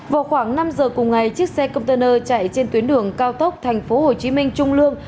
vào khoảng năm giờ cùng ngày chiếc xe container chạy trên tuyến đường cao tốc tp hcm trung lương